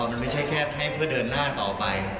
มันไม่ใช่แค่ให้เพื่อเดินหน้าต่อไป